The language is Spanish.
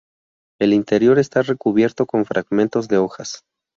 El interior está recubierto con fragmentos de hojas.